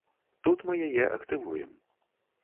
Тут мы яе актывуем.